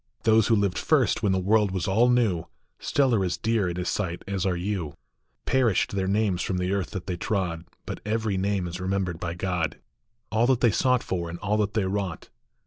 Those who lived first, when the world was all new, Still are as dear in his sight as are you ; Perished their names from the earth that they trod, But every name is remembered by God, All that they sought for, and all that they wrought.